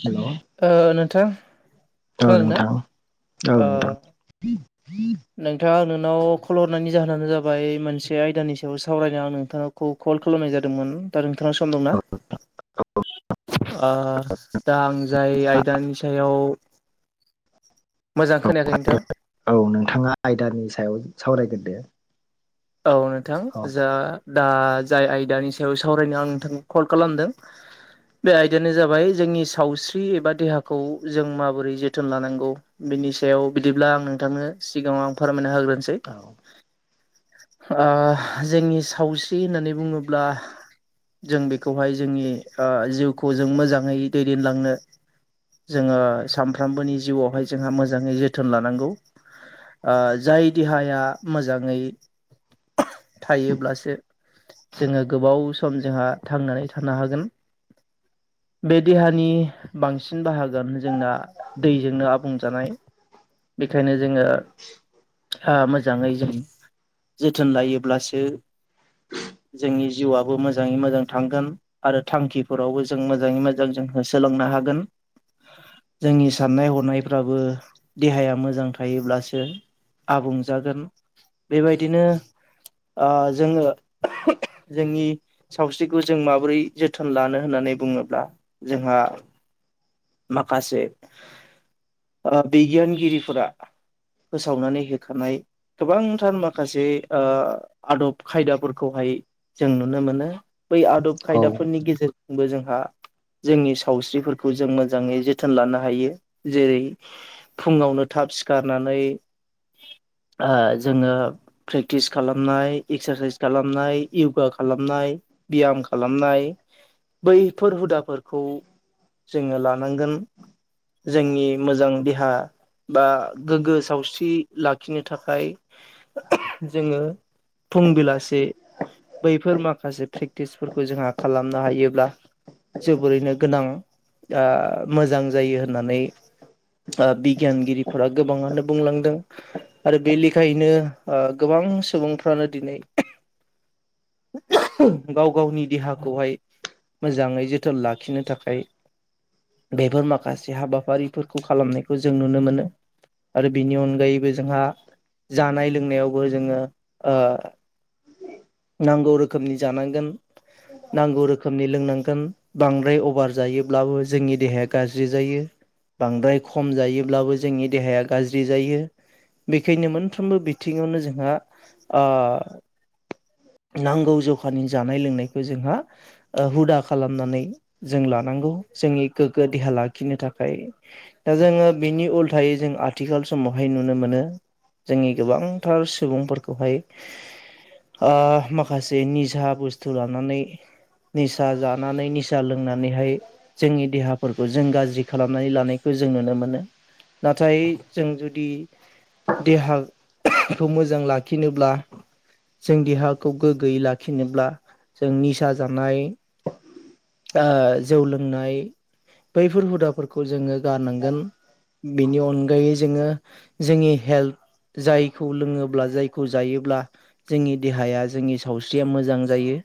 हेल' ओ नोंथां [inaudible] ओ खोनादोंना? नोंथां औ ओ नोंथां। [inaudible] नोंथाङा नोंनाव खल हरनायनि जाहोनानो जाबाय मोनसे आयदानि सायाव सावरायनायाव आं नोंथां खौ कल खालामनाय जादोंमोन। दा नोंथाङा सम दंना? औ ओ दा आं जाय आयदानि सायाव मोजां औ खोनायाखै नोंथां। औ नोंथांङा आयदानि सायाव सावरायगोरदो। औ नोंथां जा दा जाय आयदानि सायाव सावरायनो आं नोंथांखौ कल खालामदों। बे आयदायानो जाबाय जोंनि सावस्रि एबा देहाखौ जों माबोरै जोथोन लानांगौ। बिनि सायाव बिदिब्ला आं नोंथांनो सिगांङाव आं फोरमायना होग्रोनोसै। औ ओ जोंनि सावस्रि होननानै बुङोब्ला जों बेखौहाय जोंनि जिउखौ जों मोजांङै दैदेनलांनो जोंङो सामफ्रोमबोनि जिउआवहाय जोंहा मोजांङै जो थोन लानांगौ ओ जाय देहाया मोजांङै थायोब्लासो जोंङो गोबाव सम जोंहा थांनानै थानो हागोन। बे देहानि बांसिन बाहागोआनो जोंना दैजोंनो आबुं जानाय। बेखायनो जोंङो हा मोजांङै जों। जोथोन लायोब्लासो जोंनि जिउआबो मोजांङै मोजां थांगोन। आरो थांखिफोरावबो जों मोजांङै मोजां जों होसोलोंनो हागोन। जोंनि साननाय हनायफ्राबो देहाया मोजां थायोब्लासो। आबुं जागोन बेबायदिनो ओ जोंङो जोंनि सावस्रिखौ जों माबोरै जोथोन लानो होननानै बुङोब्ला जोंहा माखासे बिगियानगिरिफोरा फोसावनानै होखानाय गोबांथार मा खासे ओ आदब खायदाफोरखौहाय जों नुनो मोनो बै आदब औ खायदाफोरनि गेजेरजोंबो जोंहा। जोंनि सावस्रिफोरखौ जों मोजांङै जोथोन लानो हायो जेरै। फुङावनो थाब सिखारनानै ओ जोंङो प्रेक्टिस खालामनाय एक्सारसाइस खालामनाय यगा खालामनाय ब्याम खालामनाय बैफोर हुदाफोरखौ जोंङो लानांगोन। जोंनि मोजां देहा बा गोग्गो सावस्रि लाखिनो थाखाय जोङो फुं बेलासे बैफोर माखासे प्रेक्टिसफोरखौ जोंहा खालामनो हायोब्ला जोबोरैनो गोनां ओ मोजां जायो होननानै ओ बिगियानगिरिफोरा गोबांङानो बुंलांदों आरो बे लेखायैनो ओ गोबां सुबुंफ्रानो दिनै गाव गावनि देहाखौहाय मोजांङै जोथोन लाखिनो थाखाय बेफोर माखासे हाबाफारिफोरखौ खालामनायखौ जों नुनो मोनो। आरो बिनि अनगायैबो जोंहा जानाय लोंनायावबो जोंङो ओ नांगौ रोखोमनि जानांगोन नांगौ रोखोमनि लोंनांगोन बांद्राय अभार जायोब्लाबो जोंनि देहाया गाज्रि जायो। बांद्राय खम जायोब्लाबो जोंनि देहाया गाज्रि जायो। बेखायनो मोनफ्रोमबो बिथिंङावनो जोंहा ओ नांगौ जखानि जानाय लोंनायखौ जोंहा ओ हुदा खालामनानै जों लानांगौ जोंनि गोग्गो देहा लाखिनो थाखाय। दा जोंङो बिनि उल्थायै जों आथिखाल समावहाय नुनो मोनो। जोंनि गोबांथार सुबुंफोरखौहाय ओ माखासे निसा बुस्थु लानानै निसा जानानै निसा लोंनानैहाय जोंनि देहाफोरखौ जों गाज्रि खालामनानै लानायखौ जों नुनो मोनो। नाथाय जों जुदि देहाखौ मोजां लाखिनोब्ला जों देहाखौ गोग्गोयै लाखिनोब्ला जों निसा जानाय ओ जौ लोंनाय बैफोर हुदाफोरखौ जोङो गारनांगोन। बेनि अनगायै जोङो जोंनि हेल्थ जायखौ लोङोब्ला जायखौ जायोब्ला जोंनि देहाया जोंनि सावस्रिया मोजां जायो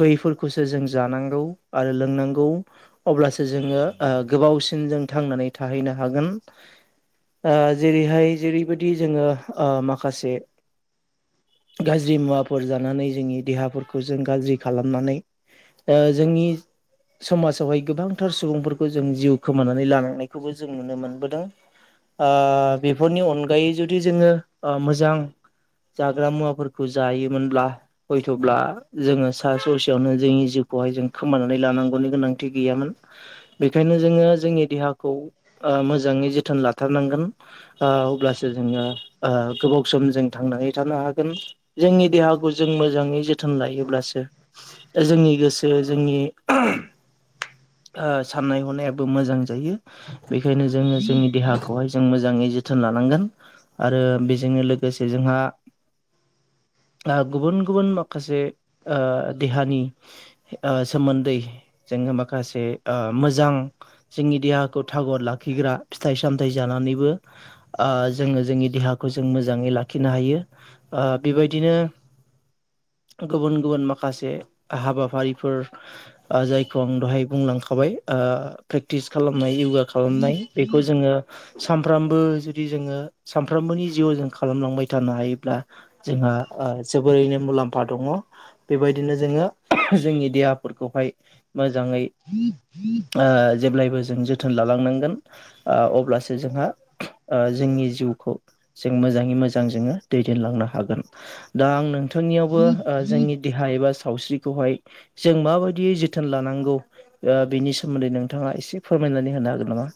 बैफोरखौसो जों जानांगौ आरो लोंनांगौ। अब्लासो जोङो ओ गोबावसिन जों थांनानै थाहैनो हागोन। ओ जेरैहाय जेरैबायदि जोङो ओ माखासे गाज्रि मुवाफोर जानानै जोंनि देहाफोरखौ जों गाज्रि खालामनानै जोंनि समाजावहाय गोबांथार सुबुंफोरखौ जों जिउ खोमानानै लानांनायखौबो जों नुनो मोनबोदों बेफोरनि अनगायै जुदि जोङो मोजां जाग्रा मुवा फोरखौ जायोमोनब्ला हयथ'ब्ला जोङो सा ससेयावनो जोंनि जिउखौहाय जों खोमानानै लानांगौनि गोनांथि गैयामोन बेखायनो जोङो जोंनि देहाखौ मोजाङै जोथोन लाथारनांगोन अब्लासो जोङो गोबाव सम जों थांनानै थानो हागोन जोंनि देहाखौ जों मोजाङै जोथोन लायोब्लासो जोंनि गोसो जोंनि साननाय हनायाबो मोजां जायो बेखायनो जोङो जोंनि देहाखौहाय जों मोजाङै जोथोन लानांगोन आरो बेजोंनो लोगोसे जोंहा गुबुन गुबुन माखासे देहानि सोमोन्दै जोङो माखासे मोजां जोंनि देहाखौ थागर लाखिग्रा फिथाइ सामथाइ जानानैबो जोङो जोंनि देहाखौ जों मोजाङै लाखिनो हायो बेबायदिनो गुबुन गुबुन माखासे हाबाफारिफोर जायखौ आं दहाय बुंलांखाबाय प्रेक्टिस खालामनाय यगा खालामनाय बेखौ जोङो सामफ्रामबो जुदि जोङो सामफ्रामबोनि जिउआव जों खालामलांबाय थानो हायोब्ला जोंहा जोबोरैनो मुलाम्फा दङ। बेबायदिनो जोङो जोंनि देहाफोरखौहाय मोजाङै जि जेब्लायबो जों जोथोन लालांनांगोन अब्लासो जोंहा जोंनि जिउखौ जों मोजाङै मोजां जोङो दैदेनलांनो हागोन दा आं नोंथांनियावबो जोंनि देहा एबा सावस्रिखौहाय जों माबायदियै जोथोन लानांगौ ओ बेनि सोमोन्दै नोंथाङा एसे फोरमायनानै होनो हागोन नामा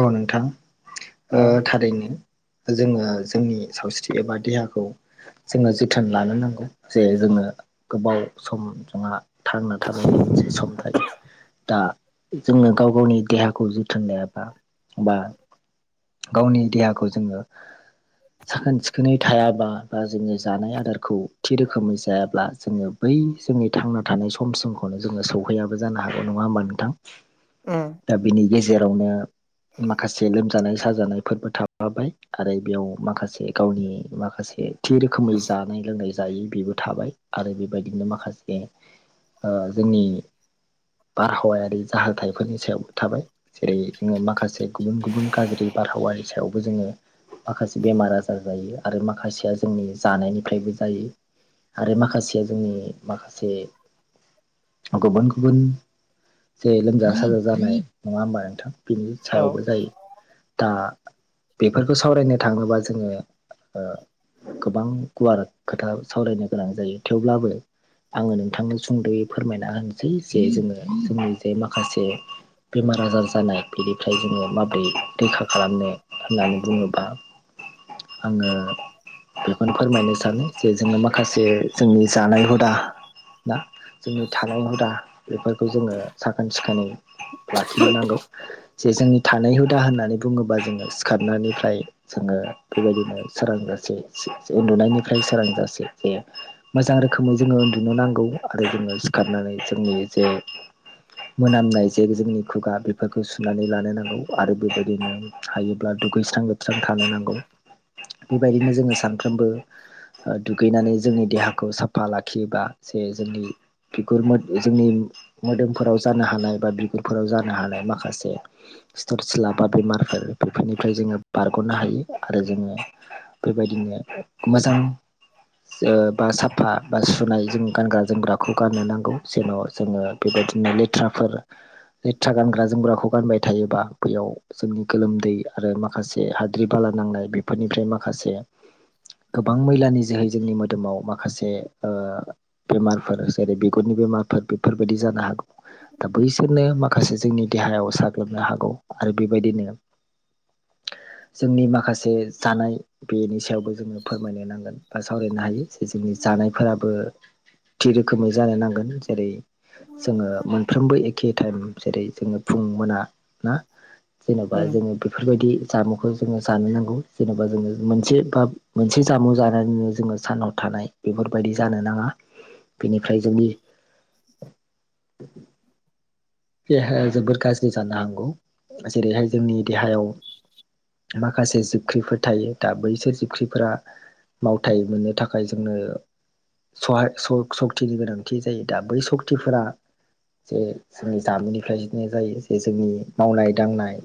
औ नोंथां ओ आ थारैनो जोङो जोंनि सावस्रि एबा देहाखौ जोङो जोथोन लानो नांगौ जे जोङो गोबाव सम जोंहा थांना थानायनि मोनसे सम थायो दा जोङो गाव गावनि देहाखौ जोथोन ला बा गावनि देहाखौ जोङो [inaudible] साखोन सिखोनै थायाबा बा जोङो जानाय आदारखौ थि रोखोमै जायाब्ला जोङो बै जोंनि थांना थानाय समसिमखौनो जोङो सौहैयाबो जानो हागौ नङा होमबा नोंथां उम दा बिनि गेजेरावनो माखासे लोमजानाय साजानायफोरबो थाफाबाय आरो बेयाव माखासे गावनि माखासे थि रोखोमै जानाय लोंनाय जायो बेबो थाबाय आरो बेबायदिनो माखासे जोंनि बारहावायारि जाहाथायाइफोरनि सायावबो थाबाय जेरै जोङो माखासे गुबुन गुबुन गाज्रि बारहावानि सायावबो जोङो माखासे बेमार आजार जायो आरो माखासेया जोंनि जानायनिफ्रायबो जायो। आरो माखासेया जोंनि माखासे गुबुन गुबुन जे लोमजा साजा जानाय नङा होमबा नोंथां। बिनि औ सायावबो जायो। दा बेफोरखौ सावरायनो थाङोबा जोङो ओ गोबां गुवार खोथा सावरायनो गोनां जायो थेवब्लाबो आङो नोंथांनि सुंद'यै फोरमायना होनोसै जे जोङो जोंनि जे माखासे बेमार-आजार जानाय बिनिफ्राय जोङो माबोरै रैखा खालामनो होननानै बुङोबा आङो बेखौनो फोरमायनो सानो जे जोङो माखासे जोंनि जानाय हुदा ना जोंनि थानाय हुदा बेफोरखौ जोङो साखोन-सिखोनै लाखिनो नांगौ जे जोंनि थानाय हुदा होननानै बुङोबा जोङो सिखारनायनिफ्राय जोङो बेबायदिनो सोरां जासे उन्दुनायनिफ्राय सोरां जासे जे मोजां रोखोमै जोङो उन्दुनो नांगौ आरो जोङो सिखारनानै जोंनि जे मोनामनाय जे जोंनि खुगा बे बेफोरखौ सुनानै लानो नांगौ आरो बेबायदिनो हायोब्ला दुगैस्रां लोबस्रां थानो नांगौ। बेबायदिनो जोङो सानफ्रोमबो ओ दुगैनानै जोंनि देहाखौ साफा लाखियोबा जे जोंनि बिगुर जोंनि मोदोमफोराव जानो हानाय बा बिगुरफोराव जानो हानाय माखासे सिथर सिला बा बेमारफोर बेफोरनिफ्राय जोङो बारग'नो हायो आरो जोङो बेबायदिनो मोजां ओ बा साफा बा सुनाय जों गानग्रा-जोमग्राखौ गाननो नांगौ जेन' जोङो बेबायदिनो लेथ्राफोर लेथ्रा गानग्रा-जोमग्राखौ गानबाय थायोबा बैयाव जोंनि गोलोमदै आरो माखासे हाद्रि बाला नांनाय बेफोरनिफ्राय माखासे गोबां मैलानि जोहै जोंनि मोदोमाव माखासे ओ बेमारफोर जेरै बिगुरनि बेमारफोर बेफोरबायदि जानो हागौ। दा बैजोंनो माखासे जोंनि देहायाव साग्लोबनो हागौ आरो बेबायदिनो जोंनि माखासे जानाय बेनि सायावबो जोङो फोरमायनो नांगोन बा सावरायनो हायो जे जोंनि जानायफोराबो थि रोखोमै जानो नांगोन जेरै जोङो मोनफ्रोमबो एखे टाइम जेरै जोङो फुं मोना ना जेन'बा उम जोङो बेफोरबायदि जामुखौ जोङो जानो नांगौ जेनेबा जोङो मोनसे बा मोनसे जामुं जानानैनो जोङो सानाव थानाय बेफोरबायदि जानो नाङा बेनिफ्राय जुदि देहाया जोबोर गाज्रि जानो हांगौ जेरैहाय जोंनि देहायाव माखासे जिबख्रिफोर थायो दा बैसोर जिबख्रिफोरा मावथाय मोननो थाखाय जोंनो सहाय सक सक्तिनि गोनांथि जायो दा बै सक्तिफोरा जे जोंनि जामुनिफ्राय बिदिनो जायो जे जोंनि मावनाय दांनाय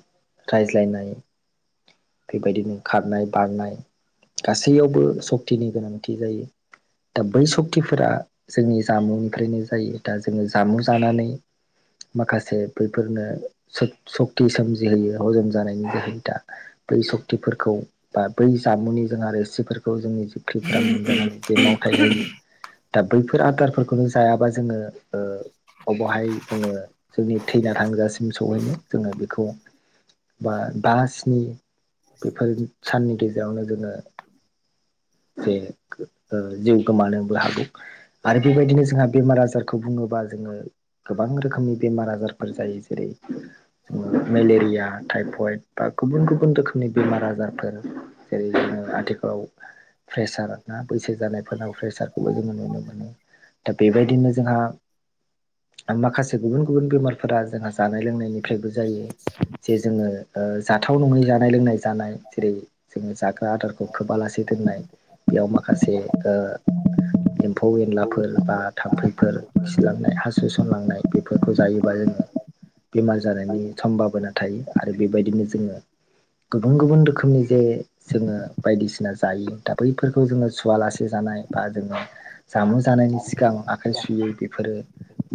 रायज्लायनाय बेबायदिनो खारनाय बारनाय गासैयावबो सक्तिनि गोनांथि जायो। दा बै सक्तिफोरा जोंनि जामुंनिफ्रायनो जायो दा जोङो जामुं जानानै माखासे बैफोरनो सक सक्ति सोमजिहोयो हजम जानायनि जेहि दा दै सक्तिफोरखौ बा बै जामुनि जोंहा रेसिफोरखौ जोंनि जि ख्रिफोरा मोनजानानै जे मावथाय जायो। दा बैफोर आदारफोरखौनो जायाबा जोङो ओ अबाहाय जोङो जोंनि थैना थांजासिम सहैनो जोङो बेखौ बा बा स्नि बेफोर साननि गेजेरावनो जोङो जे ओ जिउ गोमानोबो हागौ आरो बेबायदिनो जोंहा बेमार आजारखौ बुङोबा जोङो गोबां रोखोमनि बेमार आजारफोर जायो जेरै मेलेरिया टाइफयड बा गुबुन गुबुन रोखोमनि बेमार आजारफोर जेरै जोङो आथिखालाव प्रेसार ना बैसो जानायफोरनाव प्रेसारखौबो जोङो नुनो मोनो। दा बेबायदिनो जोंहा आरो माखासे गुबुन गुबुन बेमारफोरा जोंहा जानाय लोंनायनिफ्रायबो जायो। जे जोंङो जाथाव नङै जानाय लोंनाय जानाय जेरै जोंङो जाग्रा आदारखौ खोबालासे दोननाय बेयाव माखासे ओ एम्फौ एनलाफोर बा थाम्फैफोर खिलांनाय हासु थुसनलांनाय बेफोरखौ जायोबा जोंङो बेमार जानायनि सम्भाबना थायो आरो बेबायदिनो जोंङो गुबुन गुबुन रोखोमनि जे जोंङो बायदिसिना जायो दा बैफोरखौ जोंङो सुवालासे जानाय बा जोंङो जामुं जानायनि सिगां आखाइ सुयै बेफोरो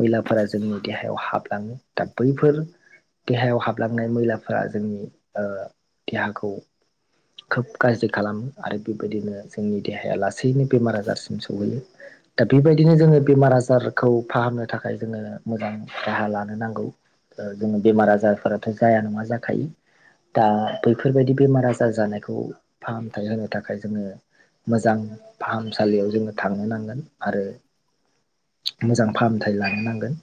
मैलाफोरा जोंनि देहायाव हाबलाङो दा बैफोर देहायाव हाबलांनाय मैलाफोरा जोंनि देहाखौ खोब गाज्रि खालामो आरो बेबायदिनो जोंनि देहाया लासैनो बेमार आजारसिम सहैयो। दा बेबायदिनो जोंङो बेमार आजारखौ फाहामनो थाखाय जोंङो मोजां राहा लानो नांगौ। ओ जोंङो बेमार आजारफोराथ जाया नङा जाखायो। दा बैफोरबायदि बेमार आजार जानायखौ फाहामथाय होनो थाखाय जोंङो मोजां फाहामसालियाव जोंङो थांनो नांगोन। आरो मोजां फाहामथाय लानो नांगोन।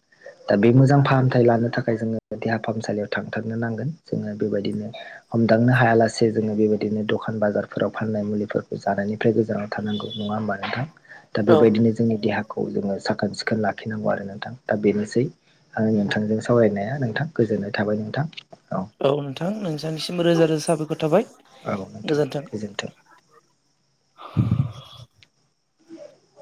दा बे मोजां फाहामथाय लानो थाखाय जोंङो देहा फाहामसालियाव थांथारनो नांगोन जोंङो बेबायदिनो हमदांनो हायालासे जोऔङो बेबायदिनो दखान बाजारफोराव फाननाय मुलि फोर जानायनिफ्राय गोजानाव थांनांगौ नङा होमबा नोंथां दा औ बेबायदिनो जों जोंनि देहाखौ जोंङो साखोन सिखोन लाखिनांगौ आरो नोंथां दा बेनोसै आं नोंथांजों सावरायनाया नोंथां गोजोननाय थाबाय नोंथां औ। औ नोंथां नोंसांनिसिम रोजा रोजा साबायखर थाबाय। औ नोंथां गोजोन्थों।